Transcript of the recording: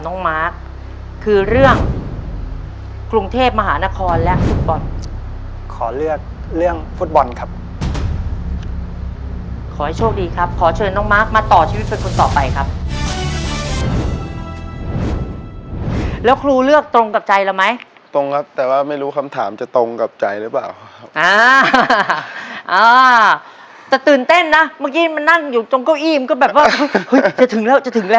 คอมแพงครบสี่ถุงนะลูกเอาไปวางลูกเอาไปวางอันนี้คือตัวอย่างนะครับคุณผู้ชม